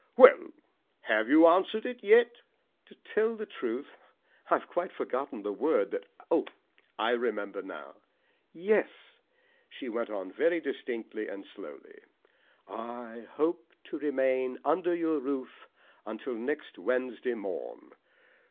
"Well, have you answered it yet?" "To tell the truth I've quite forgotten the word that Oh, I remember now. Yes," she went on very distinctly and slowly, "I hope to remain under your roof until next Wednesday morn.